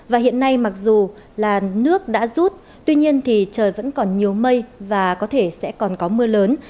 và hiện nay mặc dù là nước đã rút tuy nhiên thì trời vẫn còn nhiều mây và có thể sẽ còn có mưa lớn